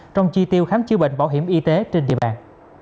trong chi tiêu khám chữa bệnh bảo hiểm y tế trên địa bàn